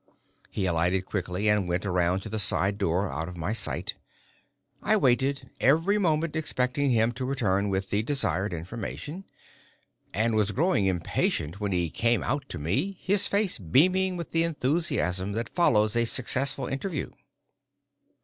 He alighted quickly and went around to the side door out of my sight. I waited, every moment expecting him to return with the desired information, and was growing impatient when he came out to me, his face beaming with the enthusiasm that follows a successful interview.